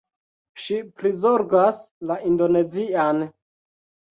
Ŝi prizorgas la Indonezian